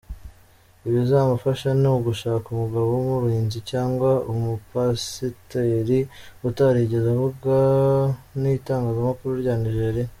Ibizamufasha ni ugushaka umugabo w’umurinzi cyangwa umupasiteri utarigeze avugwa mu itangazamakuru rya Nigeria.